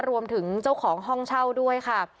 รวมถึงเจ้าของห้องเช่าด้วยค่ะ